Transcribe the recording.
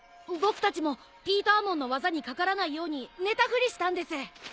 僕たちもピーターモンの技にかからないように寝たふりしたんです。